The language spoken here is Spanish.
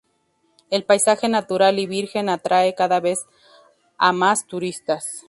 El paisaje natural y virgen atrae cada vez a más turistas.